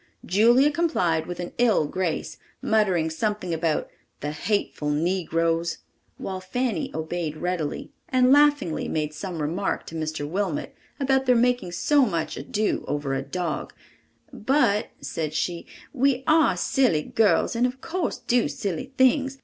Julia complied with an ill grace, muttering something about "the hateful negroes," while Fanny obeyed readily, and laughingly made some remark to Mr. Wilmot about their making so much ado over a dog, "but," said she, "we are silly girls, and of course do silly things.